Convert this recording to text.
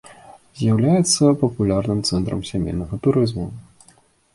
З'яўляецца папулярным цэнтрам сямейнага турызму.